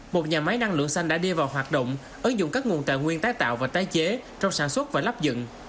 một nhà máy năng lượng xanh đã đưa vào hoạt động ứng dụng các nguồn tài nguyên tái tạo và tái chế trong sản xuất và lắp dựng